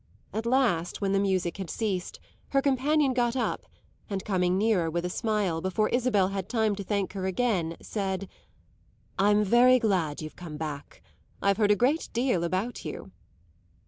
At last, when the music had ceased, her companion got up and, coming nearer with a smile, before Isabel had time to thank her again, said: "I'm very glad you've come back; I've heard a great deal about you."